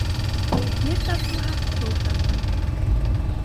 Ер тартмаһа, һыу тарта.